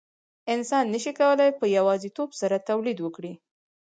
انسان نشي کولای په یوازیتوب سره تولید وکړي.